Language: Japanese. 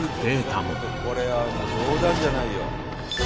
これはもう冗談じゃないよ。